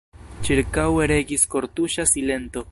Ĉirkaŭe regis kortuŝa silento.